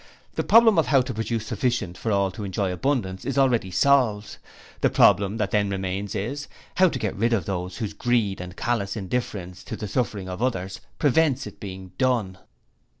The problem of how to produce sufficient for all to enjoy abundance is already solved: the problem that then remains is How to get rid of those whose greed and callous indifference to the sufferings of others, prevents it being done.'